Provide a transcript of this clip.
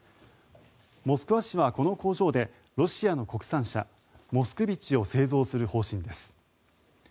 モスクワ市はこの工場でロシアの国産車モスクビチを製造する方針です。